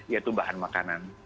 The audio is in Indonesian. yaitu bahan makanan